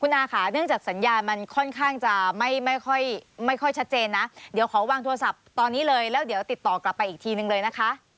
อาค่ะเนื่องจากสัญญาณมันค่อนข้างจะไม่ค่อยชัดเจนนะเดี๋ยวขอวางโทรศัพท์ตอนนี้เลยแล้วเดี๋ยวติดต่อกลับไปอีกทีนึงเลยนะคะ